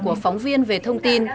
của phóng viên về thông tin